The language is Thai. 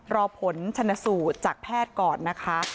รอผลชนสูตรจากแพทย์ก่อนนะคะ